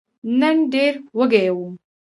نن ډېر وږی وم !